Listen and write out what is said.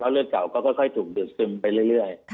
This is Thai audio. เลือดเก่าก็ค่อยถูกดูดซึมไปเรื่อย